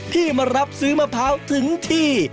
ที่มารับซื้อมะพร้าวถึงที่